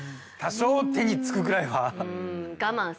多少手につくくらいは。